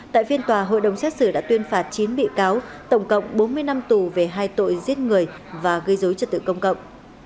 tại phiên tòa hội đồng xét xử đã tuyên phạt chín bị cáo tổng cộng bốn mươi năm tù về hai tội giết người và gây dối trật tự công cộng